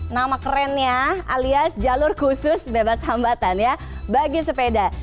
nama kerennya alias jalur khusus bebas hambatan ya bagi sepeda